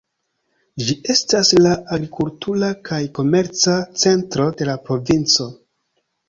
Ĝi estas la agrikultura kaj komerca centro de la provinco.